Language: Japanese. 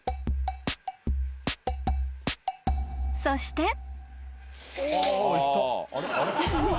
［そして］